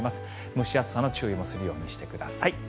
蒸し暑さの注意もするようにしてください。